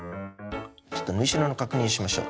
ちょっと縫い代の確認をしましょう。